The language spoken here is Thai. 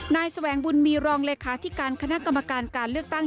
แสวงบุญมีรองเลขาธิการคณะกรรมการการเลือกตั้ง